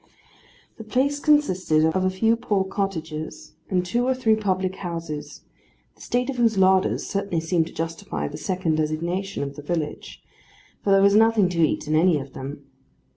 The place consisted of a few poor cottages, and two or three public houses; the state of whose larders certainly seemed to justify the second designation of the village, for there was nothing to eat in any of them.